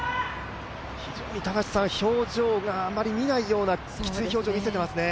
非常に表情があまり見ないようなきつい表情を見せていますね。